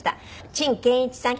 陳建一さん